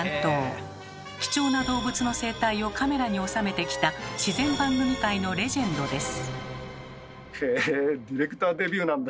貴重な動物の生態をカメラに収めてきた自然番組界のレジェンドです。